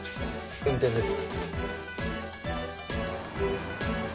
運転です。